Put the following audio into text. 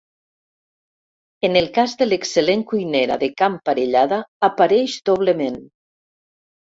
En el cas de l'excel·lent cuinera de can Parellada apareix doblement.